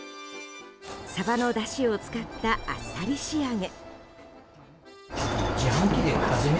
サバのだしを使ったあっさり仕上げ。